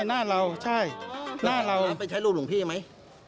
หน้าเราใช่หน้าเราไปใช้รูปหลวงพี่ไหม